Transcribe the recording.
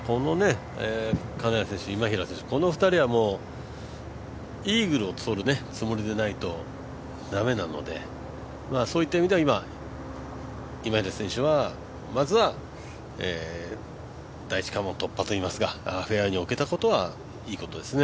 金谷選手、今平選手、この２人はイーグルをとるつもりでないと駄目なのでそういった意味では今、今平選手はまずは第一関門突破といいますか、フェアウエーに置けたことはいいことですね。